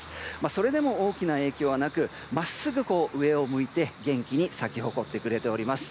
それでも大きな影響はなく上を向いて元気に咲き誇ってくれています。